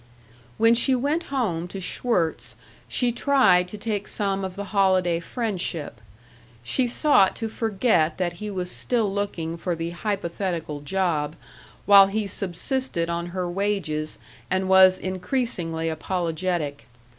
When she went home to Schwirtz she tried to take some of the holiday friendship. She sought to forget that he was still looking for the hypothetical job, while he subsisted on her wages and was increasingly apologetic.